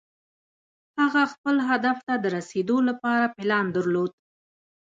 هغه خپل هدف ته د رسېدو لپاره پلان درلود.